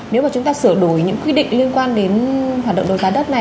nếu mà chúng ta sửa đổi những quy định liên quan đến hoạt động đấu giá đất này